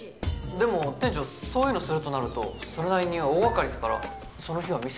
でも店長そういうのするとなるとそれなりに大がかりっすからその日は店閉めないと。